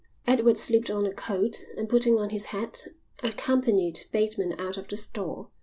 Edward slipped on a coat and, putting on his hat, accompanied Bateman out of the store.